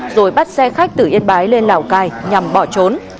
rồi bắt xe khách từ yên bái lên lào cai nhằm bỏ trốn